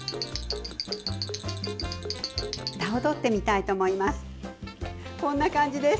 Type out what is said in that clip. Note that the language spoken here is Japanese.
ふたを取ってみたいと思います。